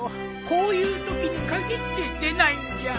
こういうときに限って出ないんじゃ。